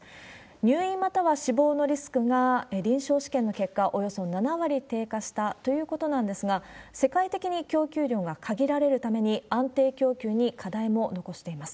入院、または死亡のリスクが臨床試験の結果、およそ７割低下したということなんですが、世界的に供給量が限られるために、安定供給に課題も残しています。